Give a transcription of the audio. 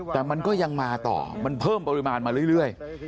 แต่มันก็ยังมาต่อมันเพิ่มปริมาณมาเรื่อย